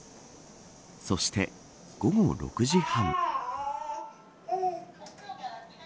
そして午後６時半。